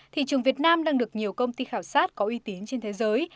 thị trường việt nam đang được nhiều công ty khảo sát có uy tín trên thế giới